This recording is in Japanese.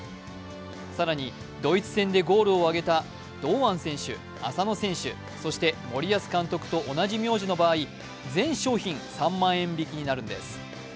更にドイツ戦でゴールをあげた堂安選手、浅野選手、そして森保監督と同じ名字の場合、全商品、３万円引きになるんです。